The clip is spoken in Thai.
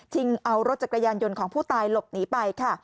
เอารถจักรยานยนต์ของผู้ตายหลบหนีไปค่ะ